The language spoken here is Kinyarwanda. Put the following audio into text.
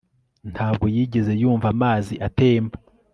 Ntabwo yigeze yumva amazi atemba